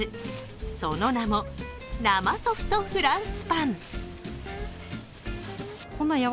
その名も、生ソフトフランスパン。